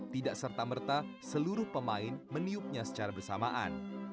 tidak serta merta seluruh pemain meniupnya secara bersamaan